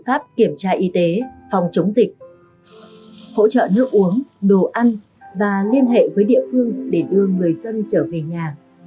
phòng chống dịch hỗ trợ nước uống đồ ăn và liên hệ với địa phương để đưa người dân trở về nhà